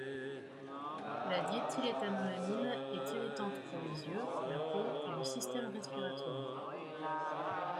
La diéthyléthanolamine est irritante pour les yeux, la peau et le système respiratoire.